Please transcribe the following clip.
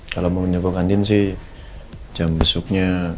kalau mau menjogokkan din sih jam besuknya